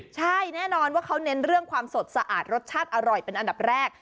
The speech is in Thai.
ใช่แน่นอนว่าเขาเน้นเรื่องความสดสะอาดรสชาติอร่อยเป็นอันดับแรก